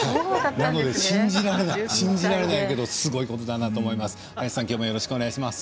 なので信じられないけどすごいことだなと思います。